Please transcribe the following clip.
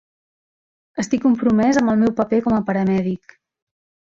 Estic compromès amb el meu paper com a paramèdic.